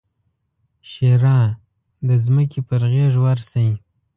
ښېرا: د ځمکې پر غېږ ورسئ!